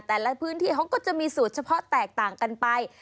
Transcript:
แต่ละพื้นที่เขาก็จะมีสูตรเฉพาะแตกต่างกันไป